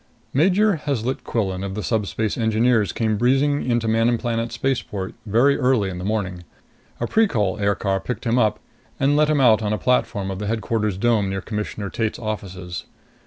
Major Heslet Quillan of the Subspace Engineers came breezing into Manon Planet's spaceport very early in the morning. A Precol aircar picked him up and let him out on a platform of the Headquarters dome near Commissioner Tate's offices.